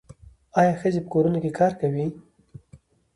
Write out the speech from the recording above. آیا ښځې په کورونو کې کار کوي؟